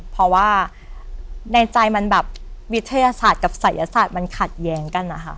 เพราะว่าในใจมันแบบวิทยาศาสตร์กับศัยศาสตร์มันขัดแย้งกันนะคะ